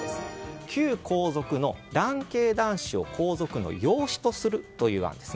旧皇族の男系・男子を皇族の養子とするという案です。